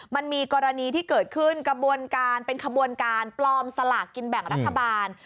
มันมีกรณีที่เกิดขึ้นกระบวนการเป็นขบวนการปลอมสลากกินแบ่งรัฐบาล